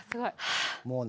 もうね。